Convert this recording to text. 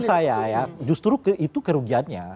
menurut saya ya justru itu kerugiannya